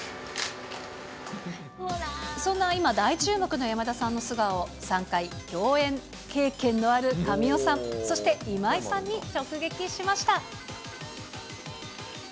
そんな今大注目の山田さんの素顔を、３回共演経験のある神尾さん、そして、今井さんに直撃しました。